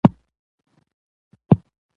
د داخلي وزیر میرزکوال